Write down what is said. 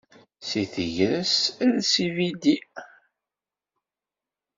Di tegrest, els ibidi.